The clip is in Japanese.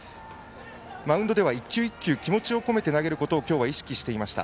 マウンドでは一球一球気持ちを込めて投げることを意識していました。